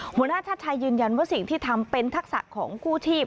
หัวหน้าชาติชายยืนยันว่าสิ่งที่ทำเป็นทักษะของกู้ชีพ